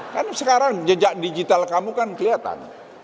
karena sekarang jejak digital kamu kan kelihatan